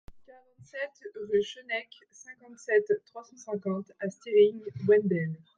quarante-sept rue de Schoeneck, cinquante-sept, trois cent cinquante à Stiring-Wendel